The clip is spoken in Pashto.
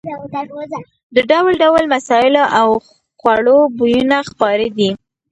د ډول ډول مسالو او خوړو بویونه خپاره دي.